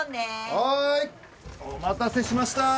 はーい！お待たせしましたー！